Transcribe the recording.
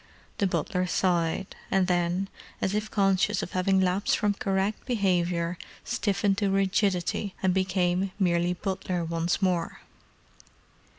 The butler sighed, and then, as if conscious of having lapsed from correct behaviour, stiffened to rigidity and became merely butler once more.